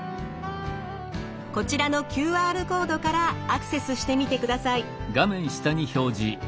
こちらのＱＲコードからアクセスしてみてください。